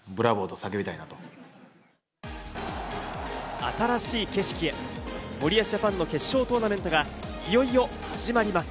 新しい景色へ、森保ジャパンの決勝トーナメントがいよいよ始まります。